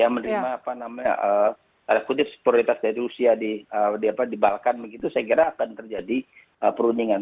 menerima kutip kutip prioritas dari rusia di balkan begitu saya kira akan terjadi peruningan